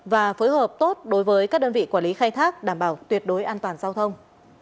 và phối hợp tốt đối với các đơn vị quản lý khai thác đảm bảo tuyệt đối an toàn giao thông